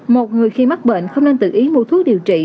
một người khi mắc bệnh không nên tự ý mua thuốc điều trị